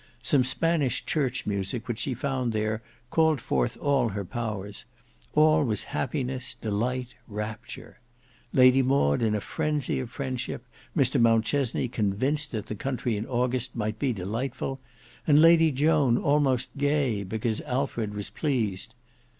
Some Spanish church music which she found there called forth all her powers: all was happiness, delight, rapture, Lady Maud in a frenzy of friendship, Mr Mountchesney convinced that the country in August might be delightful, and Lady Joan almost gay because Alfred was pleased.